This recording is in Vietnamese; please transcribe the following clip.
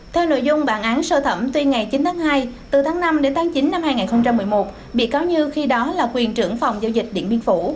theo nội dung bản án sơ thẩm tuy ngày chín tháng hai từ tháng năm đến tháng chín năm hai nghìn một mươi một bị cáo như khi đó là quyền trưởng phòng giao dịch điện biên phủ